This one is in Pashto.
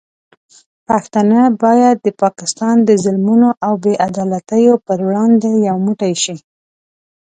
پښتانه باید د پاکستان د ظلمونو او بې عدالتیو پر وړاندې یو موټی شي.